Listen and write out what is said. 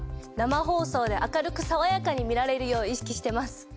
生放送で明るくさわやかに見られるよう意識してます。